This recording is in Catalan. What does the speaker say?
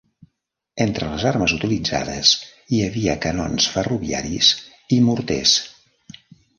Entre les armes utilitzades hi havia canons ferroviaris i morters.